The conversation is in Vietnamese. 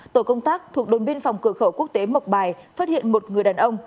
tổ công tác thuộc đồn biên phòng cửa khẩu quốc tế mộc bài phát hiện một người đàn ông